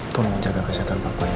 tolong jaga kesehatan papa ya